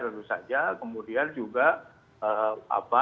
lalu saja kemudian juga